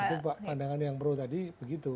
itu pak pandangan yang bro tadi begitu